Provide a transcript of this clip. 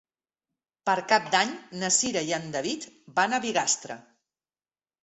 Per Cap d'Any na Cira i en David van a Bigastre.